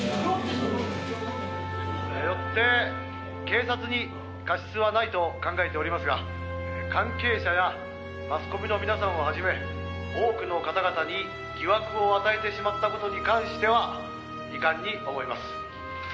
「よって警察に過失はないと考えておりますが関係者やマスコミの皆さんをはじめ多くの方々に疑惑を与えてしまった事に関しては遺憾に思います」